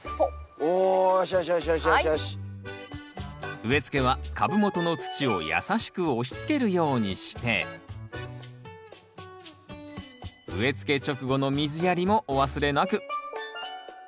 植え付けは株元の土を優しく押しつけるようにして植え付け直後の水やりもお忘れなく。